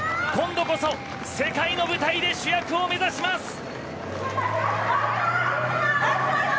今度こそ世界の舞台で主役を目指します！